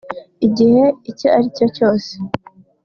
igihe icyo aricyo cyose